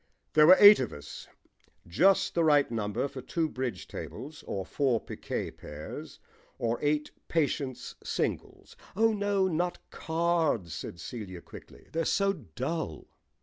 There were eight of us; just the right number for two bridge tables, or four picquet pairs, or eight patience singles. "Oh, no, not cards," said Celia quickly. "They're so dull."